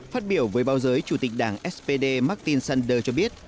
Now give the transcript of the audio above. phát biểu với báo giới chủ tịch đảng spd martin sanders cho biết